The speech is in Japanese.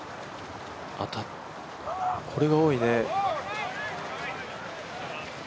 これは多いね。